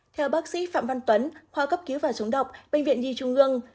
theo bác sĩ phạm văn tuấn hóa cấp cứu và chống độc bệnh viện nhi trung hương